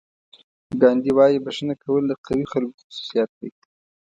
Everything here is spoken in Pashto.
ګاندي وایي بښنه کول د قوي خلکو خصوصیت دی.